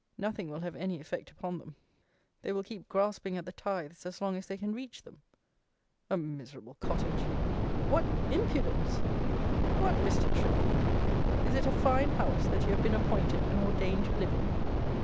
Nothing will have any effect upon them. They will keep grasping at the tithes as long as they can reach them. "A miserable cottage!" What impudence! What, Mr. Tripp, is it a fine house that you have been appointed and ordained to live in?